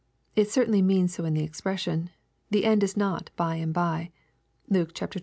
It certainly seems so in the expression, " The end is not by and bye." (Luke xxi. 9.)